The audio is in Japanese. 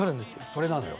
それなのよ。